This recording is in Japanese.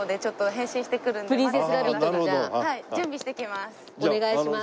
準備してきます。